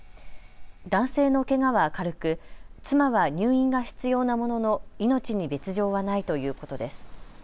男性のけがは軽く妻は入院が必要なものの命に別状はないということです。